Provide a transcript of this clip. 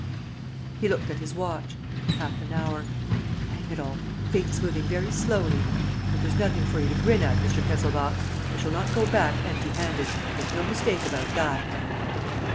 He looked at his watch. "Half an hour. ... Hang it all! ... Fate is moving very slowly. ... But there's nothing for you to grin at, Mr. Kesselbach. I shall not go back empty handed, make no mistake about that!